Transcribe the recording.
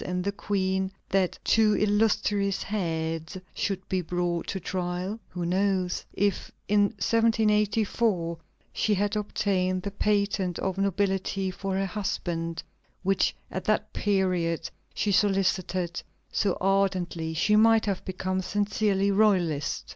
and the Queen, that "two illustrious heads" should be brought to trial? Who knows? If, in 1784, she had obtained the patent of nobility for her husband which at that period she solicited so ardently, she might have become sincerely royalist!